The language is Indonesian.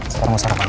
sekarang masalah mana